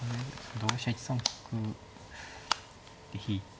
同飛車１三角で引いて。